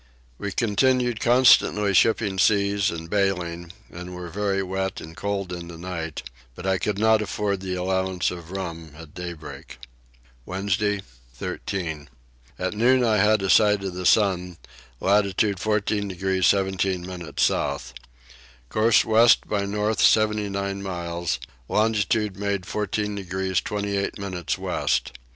We continued constantly shipping seas and baling, and were very wet and cold in the night; but I could not afford the allowance of rum at daybreak. Wednesday 13. At noon I had a sight of the sun, latitude 14 degrees 17 minutes south. Course west by north 79 miles; longitude made 14 degrees 28 minutes west.